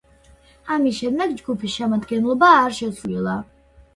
ამის შემდეგ ჯგუფის შემადგენლობა არ შეცვლილა.